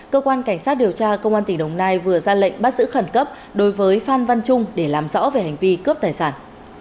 cơ quan cảnh sát điều tra công an tỉnh đồng nai vừa ra lệnh bắt giữ khẩn cấp đối với phan văn trung để làm rõ về hành vi cướp tài sản